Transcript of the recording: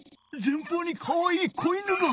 前方にかわいい子犬が！